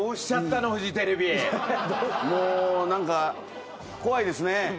もう何か怖いですね。